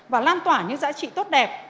và lan tỏa những giá trị tốt đẹp